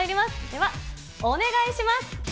ではお願いします。